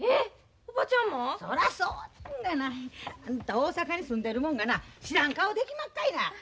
大阪に住んでるもんがな知らん顔できまっかいな。